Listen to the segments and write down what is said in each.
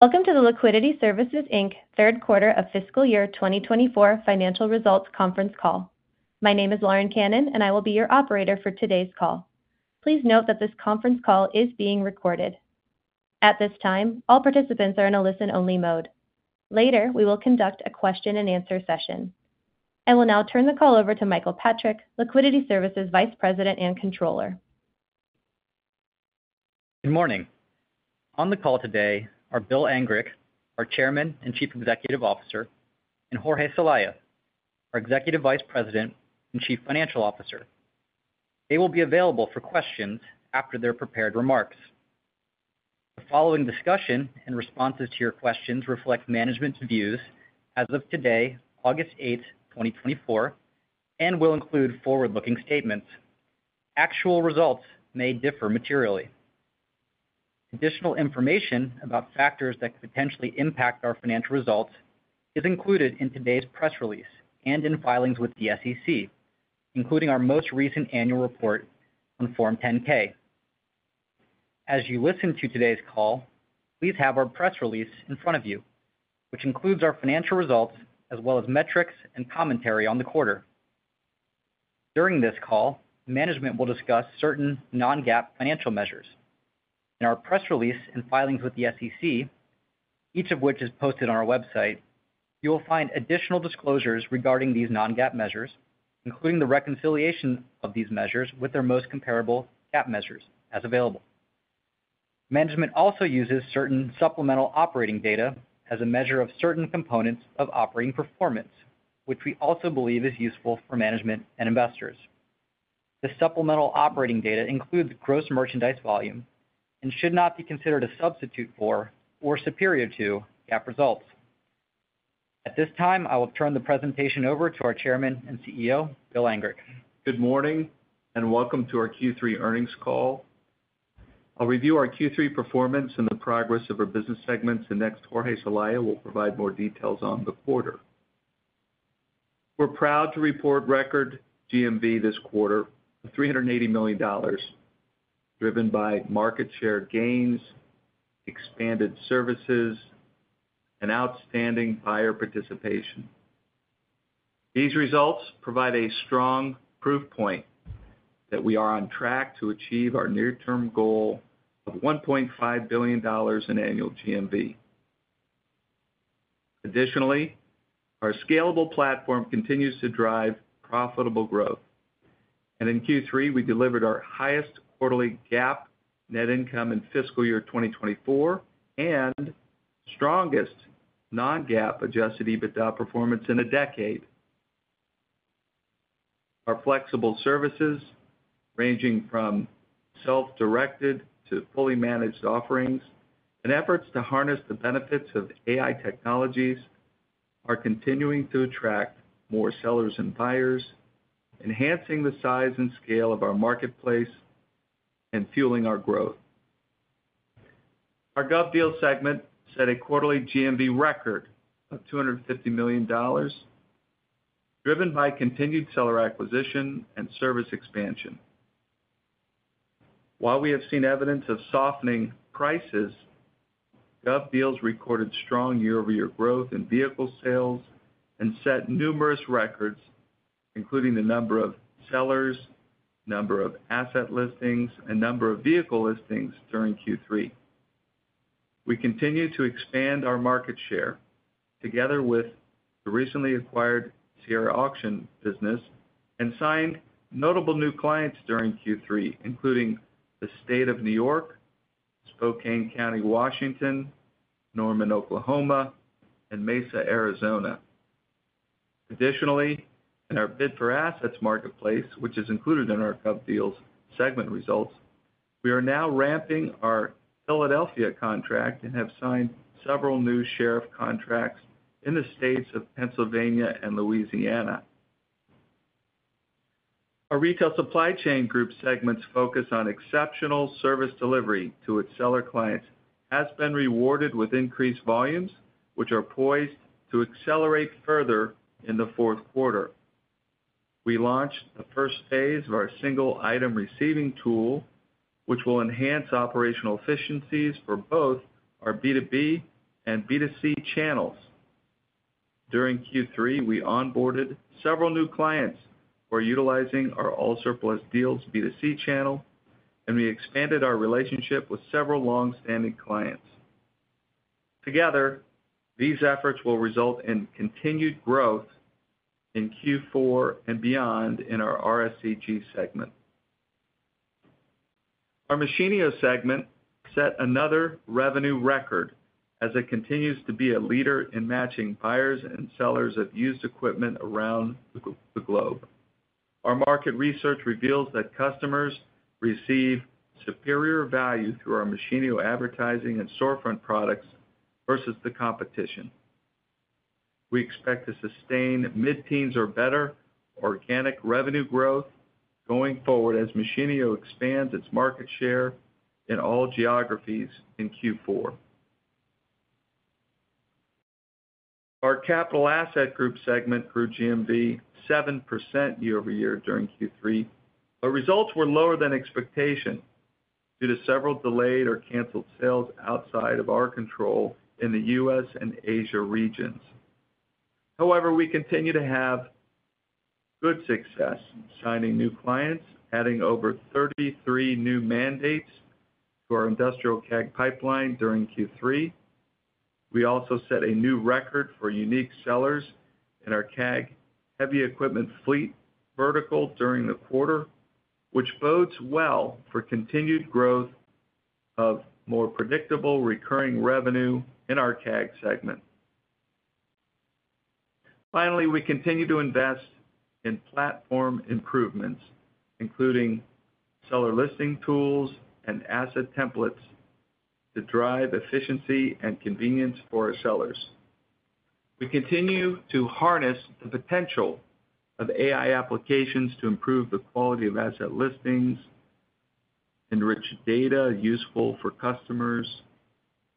Welcome to the Liquidity Services Inc. Third Quarter of Fiscal Year 2024 Financial Results Conference Call. My name is Lauren Cannon, and I will be your operator for today's call. Please note that this conference call is being recorded. At this time, all participants are in a listen-only mode. Later, we will conduct a question-and-answer session. I will now turn the call over to Michael Patrick, Liquidity Services Vice President and Controller. Good morning. On the call today are Bill Angrick, our Chairman and Chief Executive Officer, and Jorge Celaya, our Executive Vice President and Chief Financial Officer. They will be available for questions after their prepared remarks. The following discussion and responses to your questions reflect management's views as of today, August 8, 2024, and will include forward-looking statements. Actual results may differ materially. Additional information about factors that could potentially impact our financial results is included in today's press release and in filings with the SEC, including our most recent annual report on Form 10-K. As you listen to today's call, please have our press release in front of you, which includes our financial results as well as metrics and commentary on the quarter. During this call, management will discuss certain non-GAAP financial measures. In our press release and filings with the SEC, each of which is posted on our website, you will find additional disclosures regarding these non-GAAP measures, including the reconciliation of these measures with their most comparable GAAP measures as available. Management also uses certain supplemental operating data as a measure of certain components of operating performance, which we also believe is useful for management and investors. The supplemental operating data includes gross merchandise volume and should not be considered a substitute for or superior to GAAP results. At this time, I will turn the presentation over to our Chairman and CEO, Bill Angrick. Good morning, and welcome to our Q3 earnings call. I'll review our Q3 performance and the progress of our business segments, and next, Jorge Celaya will provide more details on the quarter. We're proud to report record GMV this quarter of $380 million, driven by market share gains, expanded services, and outstanding buyer participation. These results provide a strong proof point that we are on track to achieve our near-term goal of $1.5 billion in annual GMV. Additionally, our scalable platform continues to drive profitable growth, and in Q3, we delivered our highest quarterly GAAP net income in fiscal year 2024 and strongest non-GAAP adjusted EBITDA performance in a decade. Our flexible services, ranging from self-directed to fully managed offerings and efforts to harness the benefits of AI technologies, are continuing to attract more sellers and buyers, enhancing the size and scale of our marketplace and fueling our growth. Our GovDeals segment set a quarterly GMV record of $250 million, driven by continued seller acquisition and service expansion. While we have seen evidence of softening prices, GovDeals recorded strong year-over-year growth in vehicle sales and set numerous records, including the number of sellers, number of asset listings, and number of vehicle listings during Q3. We continue to expand our market share together with the recently acquired Sierra Auction business and signed notable new clients during Q3, including the State of New York, Spokane County, Washington, Norman, Oklahoma, and Mesa, Arizona. Additionally, in our Bid4Assets marketplace, which is included in our GovDeals segment results, we are now ramping our Philadelphia contract and have signed several new sheriff contracts in the states of Pennsylvania and Louisiana. Our Retail Supply Chain Group segment's focus on exceptional service delivery to its seller clients has been rewarded with increased volumes, which are poised to accelerate further in the fourth quarter. We launched the first phase of our single item receiving tool, which will enhance operational efficiencies for both our B2B and B2C channels. During Q3, we onboarded several new clients who are utilizing our AllSurplus Deals B2C channel, and we expanded our relationship with several long-standing clients. Together, these efforts will result in continued growth in Q4 and beyond in our RSCG segment. Our Machinio segment set another revenue record as it continues to be a leader in matching buyers and sellers of used equipment around the globe. Our market research reveals that customers receive superior value through our Machinio advertising and storefront products versus the competition. We expect to sustain mid-teens or better organic revenue growth going forward as Machinio expands its market share in all geographies in Q4. Our Capital Assets Group segment grew GMV 7% year-over-year during Q3, but results were lower than expectation due to several delayed or canceled sales outside of our control in the U.S. and Asia regions. However, we continue to have good success in signing new clients, adding over 33 new mandates to our industrial CAG pipeline during Q3. We also set a new record for unique sellers in our CAG heavy equipment fleet vertical during the quarter, which bodes well for continued growth of more predictable recurring revenue in our CAG segment. Finally, we continue to invest in platform improvements, including seller listing tools and asset templates, to drive efficiency and convenience for our sellers. We continue to harness the potential of AI applications to improve the quality of asset listings, enrich data useful for customers,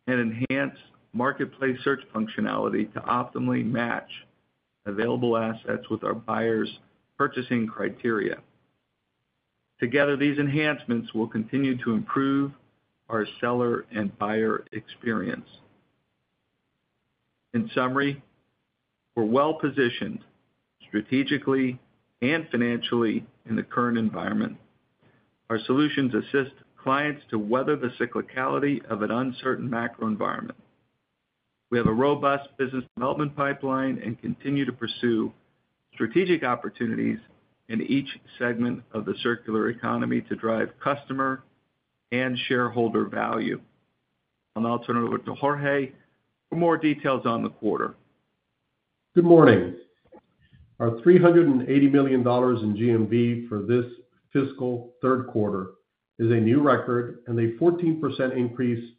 and enhance marketplace search functionality to optimally match available assets with our buyers' purchasing criteria. Together, these enhancements will continue to improve our seller and buyer experience. In summary, we're well-positioned strategically and financially in the current environment. Our solutions assist clients to weather the cyclicality of an uncertain macro environment. We have a robust business development pipeline and continue to pursue strategic opportunities in each segment of the circular economy to drive customer and shareholder value. I'll now turn it over to Jorge for more details on the quarter. Good morning. Our $380 million in GMV for this fiscal third quarter is a new record and a 14% increase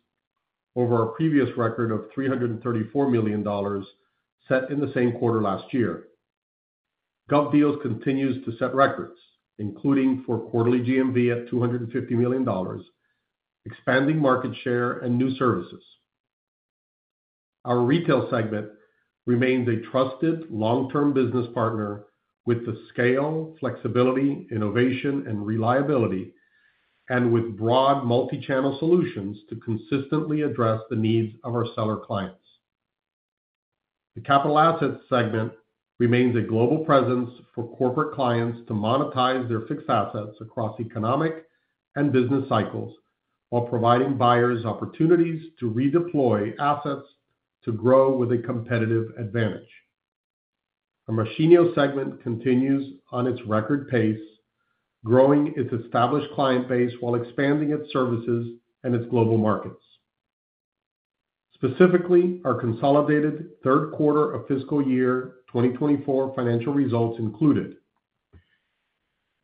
over our previous record of $334 million set in the same quarter last year. GovDeals continues to set records, including for quarterly GMV at $250 million, expanding market share and new services. Our retail segment remains a trusted, long-term business partner with the scale, flexibility, innovation, and reliability, and with broad multi-channel solutions to consistently address the needs of our seller clients. The capital assets segment remains a global presence for corporate clients to monetize their fixed assets across economic and business cycles, while providing buyers opportunities to redeploy assets to grow with a competitive advantage. Our Machinio segment continues on its record pace, growing its established client base while expanding its services and its global markets. Specifically, our consolidated third quarter of fiscal year 2024 financial results included: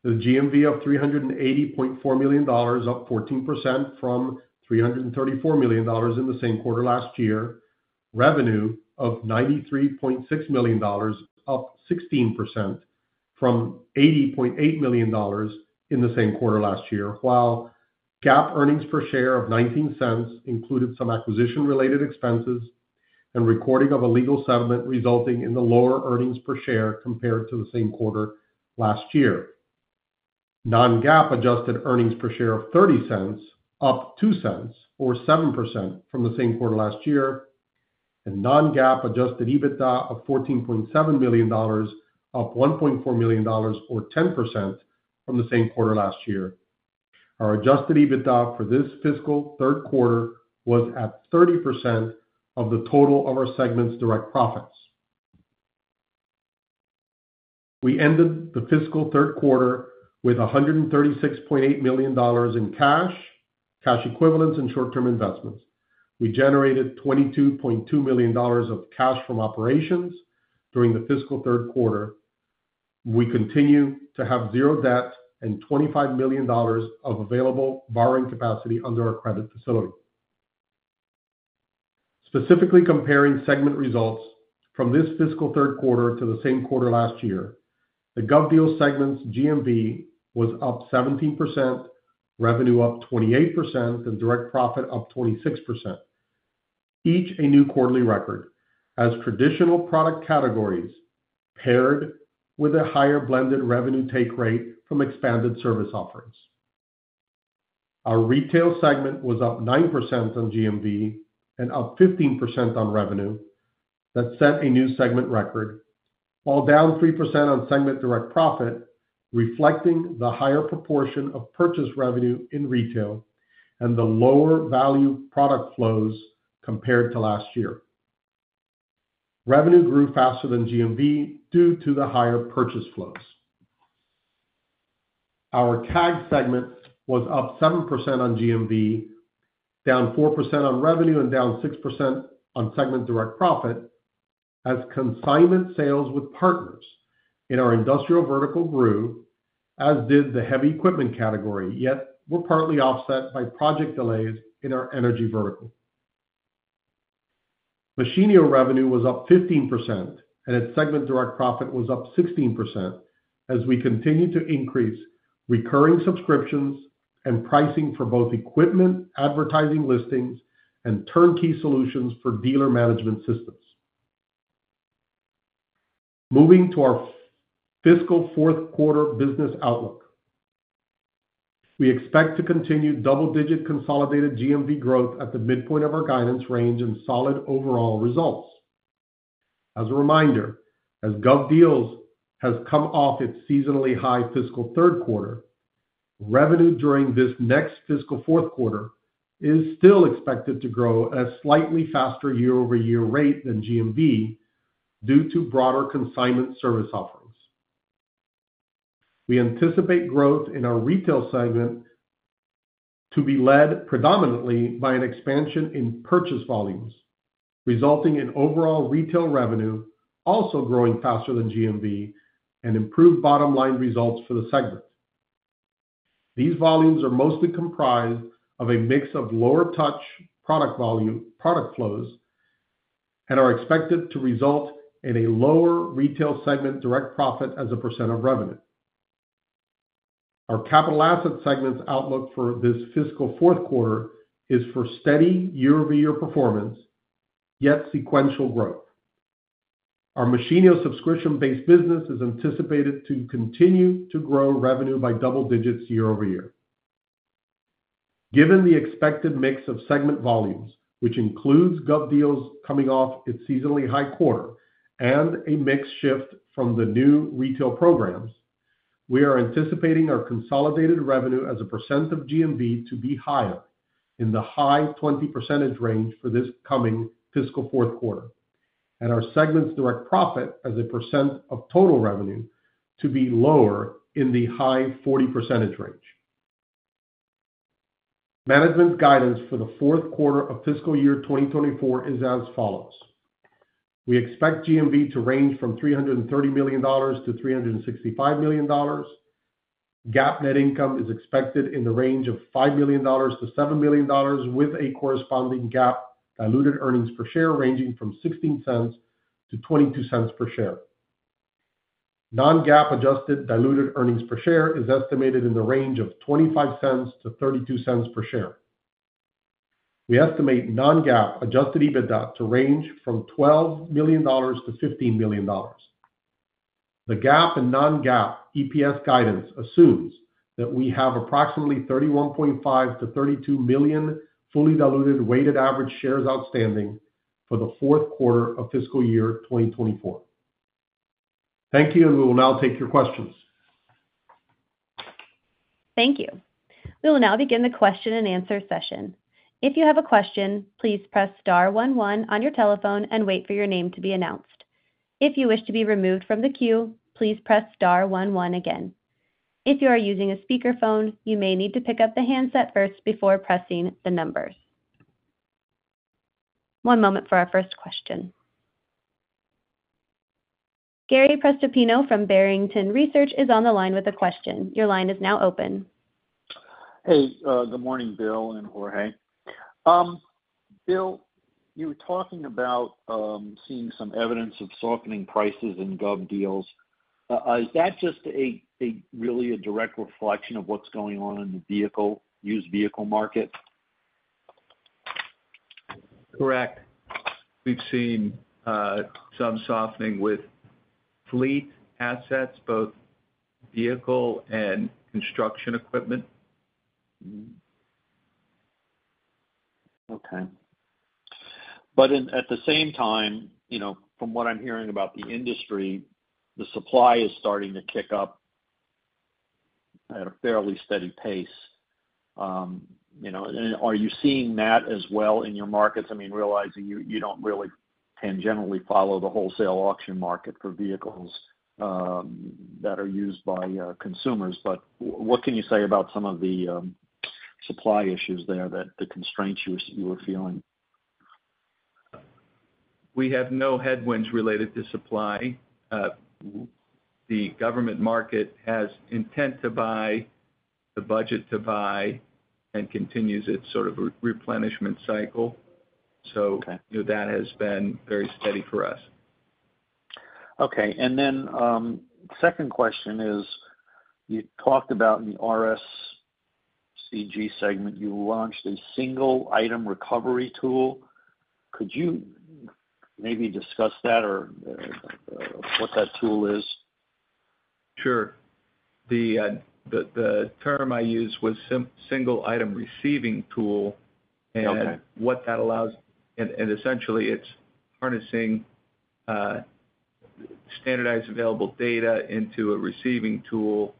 the GMV of $380.4 million, up 14% from $334 million in the same quarter last year. Revenue of $93.6 million, up 16% from $80.8 million in the same quarter last year, while GAAP earnings per share of $0.19 included some acquisition-related expenses and recording of a legal settlement, resulting in the lower earnings per share compared to the same quarter last year. Non-GAAP adjusted earnings per share of $0.30, up $0.02 or 7% from the same quarter last year, and non-GAAP adjusted EBITDA of $14.7 million, up $1.4 million or 10% from the same quarter last year. Our Adjusted EBITDA for this fiscal third quarter was at 30% of the total of our segment's direct profits. We ended the fiscal third quarter with $136.8 million in cash, cash equivalents, and short-term investments. We generated $22.2 million of cash from operations during the fiscal third quarter. We continue to have 0 debt and $25 million of available borrowing capacity under our credit facility. Specifically comparing segment results from this fiscal third quarter to the same quarter last year, the GovDeals segment's GMV was up 17%, revenue up 28%, and direct profit up 26%, each a new quarterly record as traditional product categories paired with a higher blended revenue take rate from expanded service offerings. Our retail segment was up 9% on GMV and up 15% on revenue. That set a new segment record, while down 3% on segment direct profit, reflecting the higher proportion of purchase revenue in retail and the lower value product flows compared to last year. Revenue grew faster than GMV due to the higher purchase flows. Our CAG segment was up 7% on GMV, down 4% on revenue, and down 6% on segment direct profit, as consignment sales with partners in our industrial vertical grew, as did the heavy equipment category, yet were partly offset by project delays in our energy vertical. Machinio revenue was up 15%, and its segment direct profit was up 16%... as we continue to increase recurring subscriptions and pricing for both equipment, advertising listings, and turnkey solutions for dealer management systems. Moving to our fiscal fourth quarter business outlook. We expect to continue double-digit consolidated GMV growth at the midpoint of our guidance range and solid overall results. As a reminder, as GovDeals has come off its seasonally high fiscal third quarter, revenue during this next fiscal fourth quarter is still expected to grow at a slightly faster year-over-year rate than GMV due to broader consignment service offerings. We anticipate growth in our retail segment to be led predominantly by an expansion in purchase volumes, resulting in overall retail revenue also growing faster than GMV and improved bottom line results for the segment. These volumes are mostly comprised of a mix of lower touch product volume, product flows, and are expected to result in a lower retail segment direct profit as a percent of revenue. Our capital asset segment's outlook for this fiscal fourth quarter is for steady year-over-year performance, yet sequential growth. Our Machinio subscription-based business is anticipated to continue to grow revenue by double digits year-over-year. Given the expected mix of segment volumes, which includes GovDeals coming off its seasonally high quarter and a mix shift from the new retail programs, we are anticipating our consolidated revenue as a percent of GMV to be higher, in the high 20% range for this coming fiscal fourth quarter, and our segment's direct profit as a percent of total revenue to be lower, in the high 40% range. Management's guidance for the fourth quarter of fiscal year 2024 is as follows: We expect GMV to range from $330 million to $365 million. GAAP net income is expected in the range of $5 million-$7 million, with a corresponding GAAP diluted earnings per share ranging from $0.16-$0.22 per share. Non-GAAP adjusted diluted earnings per share is estimated in the range of $0.25-$0.32 per share. We estimate non-GAAP adjusted EBITDA to range from $12 million-$15 million. The GAAP and non-GAAP EPS guidance assumes that we have approximately $31.5-$32 million fully diluted weighted average shares outstanding for the fourth quarter of fiscal year 2024. Thank you, and we will now take your questions. Thank you. We will now begin the question-and-answer session. If you have a question, please press star one one on your telephone and wait for your name to be announced. If you wish to be removed from the queue, please press star one one again. If you are using a speakerphone, you may need to pick up the handset first before pressing the numbers. One moment for our first question. Gary Prestopino from Barrington Research is on the line with a question. Your line is now open. Hey, good morning, Bill and Jorge. Bill, you were talking about seeing some evidence of softening prices in GovDeals. Is that just a really direct reflection of what's going on in the used vehicle market? Correct. We've seen some softening with fleet assets, both vehicle and construction equipment. Okay. But at the same time, you know, from what I'm hearing about the industry, the supply is starting to kick up at a fairly steady pace. You know, and are you seeing that as well in your markets? I mean, realizing you don't really tangentially follow the wholesale auction market for vehicles that are used by consumers. But what can you say about some of the supply issues there, that the constraints you were feeling? We have no headwinds related to supply. The government market has intent to buy, the budget to buy, and continues its sort of replenishment cycle. Okay. That has been very steady for us. Okay. Second question is, you talked about in the RSCG segment, you launched a single item receiving tool. Could you maybe discuss that or what that tool is? Sure. The term I used was single item receiving tool. Okay. And what that allows, and essentially, it's harnessing standardized available data into a receiving tool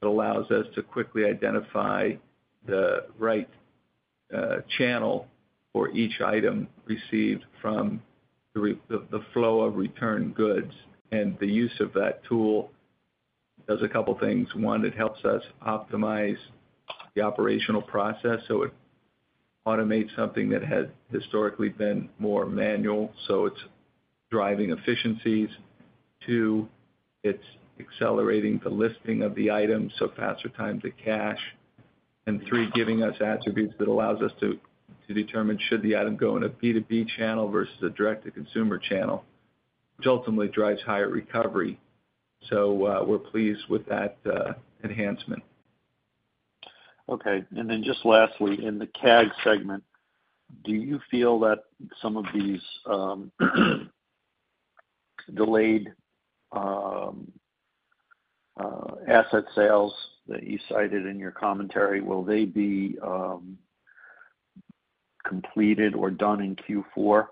that allows us to quickly identify the right channel for each item received from the the flow of returned goods. And the use of that tool does a couple things. One, it helps us optimize the operational process, so it automates something that had historically been more manual, so it's driving efficiencies. Two, it's accelerating the listing of the items, so faster time to cash and three, giving us attributes that allows us to determine should the item go in a B2B channel versus a direct-to-consumer channel, which ultimately drives higher recovery. So, we're pleased with that enhancement. Okay. And then just lastly, in the CAG segment, do you feel that some of these delayed asset sales that you cited in your commentary, will they be completed or done in Q4?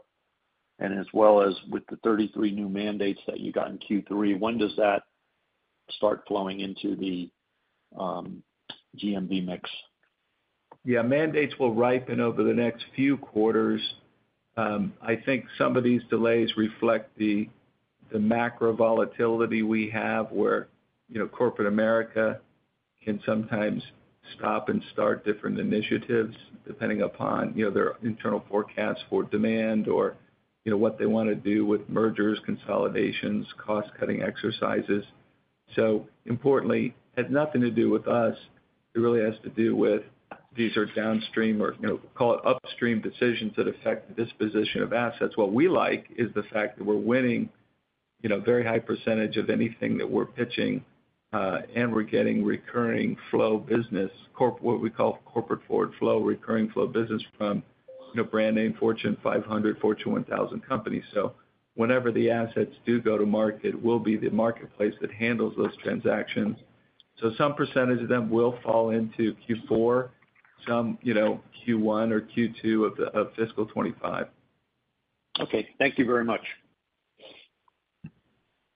And as well as with the 33 new mandates that you got in Q3, when does that start flowing into the GMV mix? Yeah, mandates will ripen over the next few quarters. I think some of these delays reflect the, the macro volatility we have, where, you know, corporate America can sometimes stop and start different initiatives depending upon, you know, their internal forecasts for demand or, you know, what they wanna do with mergers, consolidations, cost-cutting exercises. So importantly, it had nothing to do with us. It really has to do with, these are downstream or, you know, call it upstream decisions that affect the disposition of assets. What we like is the fact that we're winning, you know, a very high percentage of anything that we're pitching, and we're getting recurring flow business, what we call corporate forward flow, recurring flow business from, you know, brand name, Fortune 500, Fortune 1000 companies. So whenever the assets do go to market, we'll be the marketplace that handles those transactions. So some percentage of them will fall into Q4, some, you know, Q1 or Q2 of fiscal 2025. Okay, thank you very much.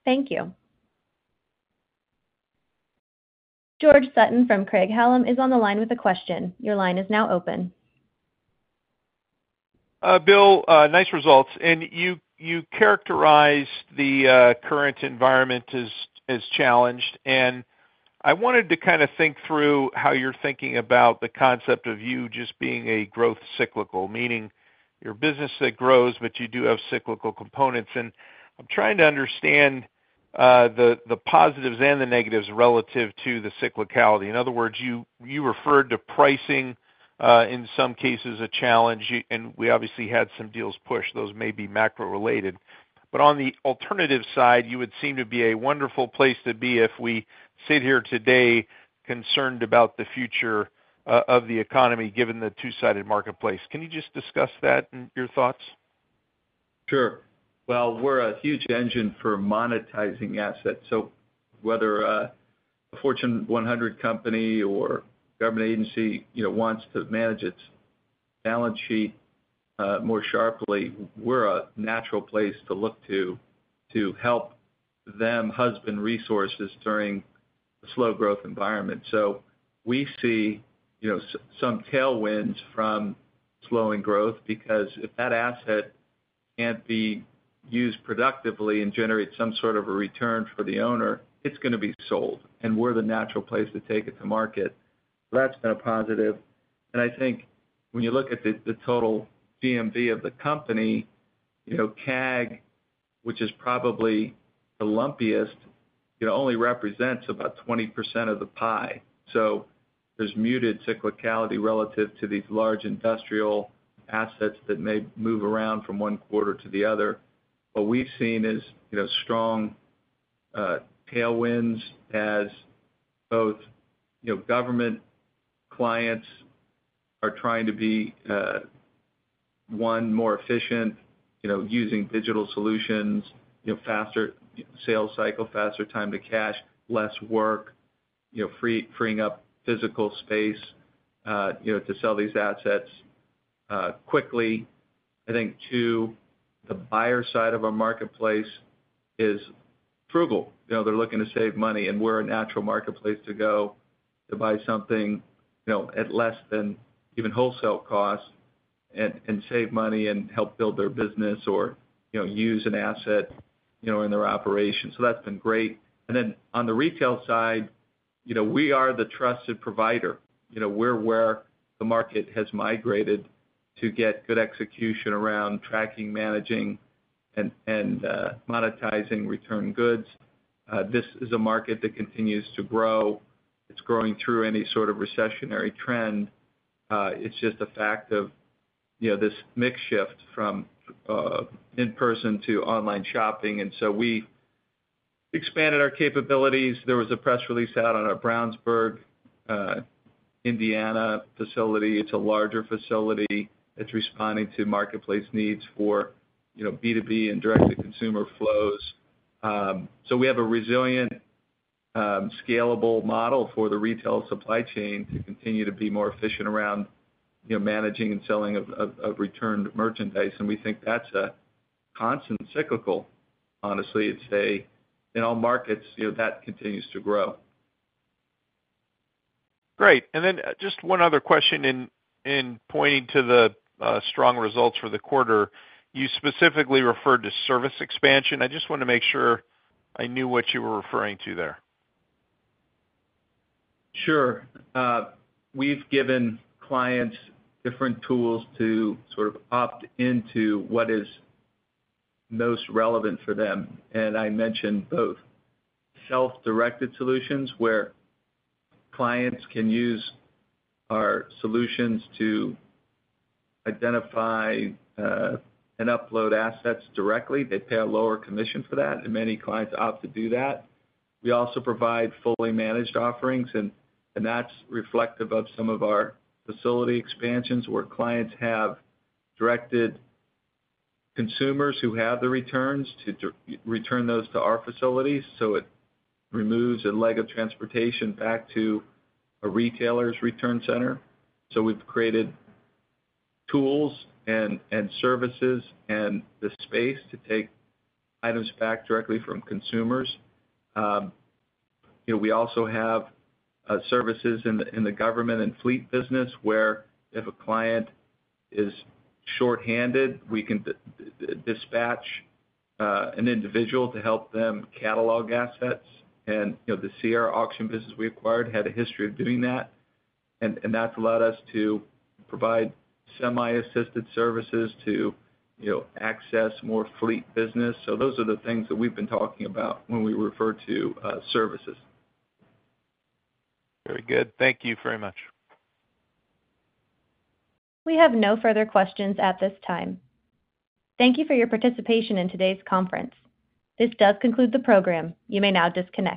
Thank you. George Sutton from Craig-Hallum is on the line with a question. Your line is now open. Bill, nice results. And you, you characterized the current environment as challenged, and I wanted to kind of think through how you're thinking about the concept of you just being a growth cyclical, meaning you're a business that grows, but you do have cyclical components. And I'm trying to understand the positives and the negatives relative to the cyclicality. In other words, you, you referred to pricing in some cases a challenge, and we obviously had some deals pushed. Those may be macro-related. But on the alternative side, you would seem to be a wonderful place to be if we sit here today concerned about the future of the economy, given the two-sided marketplace. Can you just discuss that and your thoughts? Sure. Well, we're a huge engine for monetizing assets. So whether a Fortune 100 company or government agency, you know, wants to manage its balance sheet more sharply, we're a natural place to look to, to help them husband resources during a slow growth environment. So we see, you know, some tailwinds from slowing growth, because if that asset can't be used productively and generate some sort of a return for the owner, it's gonna be sold, and we're the natural place to take it to market. That's been a positive. And I think when you look at the total GMV of the company, you know, CAG, which is probably the lumpiest, it only represents about 20% of the pie. So there's muted cyclicality relative to these large industrial assets that may move around from one quarter to the other. What we've seen is, you know, strong tailwinds as both, you know, government clients are trying to be one, more efficient, you know, using digital solutions, you know, faster sales cycle, faster time to cash, less work, you know, freeing up physical space, you know, to sell these assets quickly. I think two, the buyer side of our marketplace is frugal. You know, they're looking to save money, and we're a natural marketplace to go to buy something, you know, at less than even wholesale cost and monetizing returned goods. This is a market that continues to grow. It's growing through any sort of recessionary trend. It's just a fact of, you know, this mix shift from in-person to online shopping, and so we expanded our capabilities. There was a press release out on our Brownsburg, Indiana facility. It's a larger facility. It's responding to marketplace needs for, you know, B2B and direct-to-consumer flows. So we have a resilient, scalable model for the retail supply chain to continue to be more efficient around, you know, managing and selling of returned merchandise, and we think that's a constant cyclical. Honestly, it's a, in all markets, you know, that continues to grow. Great. And then just one other question in pointing to the strong results for the quarter. You specifically referred to service expansion. I just wanted to make sure I knew what you were referring to there. Sure. We've given clients different tools to sort of opt into what is most relevant for them. And I mentioned both self-directed solutions, where clients can use our solutions to identify and upload assets directly. They pay a lower commission for that, and many clients opt to do that. We also provide fully managed offerings, and that's reflective of some of our facility expansions, where clients have directed consumers who have the returns to return those to our facilities, so it removes a leg of transportation back to a retailer's return center. So we've created tools and services and the space to take items back directly from consumers. You know, we also have services in the government and fleet business, where if a client is short-handed, we can dispatch an individual to help them catalog assets. You know, the Sierra Auction business we acquired had a history of doing that. And that's allowed us to provide semi-assisted services to, you know, access more fleet business. So those are the things that we've been talking about when we refer to services. Very good. Thank you very much. We have no further questions at this time. Thank you for your participation in today's conference. This does conclude the program. You may now disconnect.